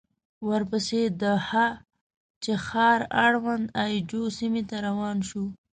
ورپسې د هه چه ښار اړوند اي جو سيمې ته روان شوو.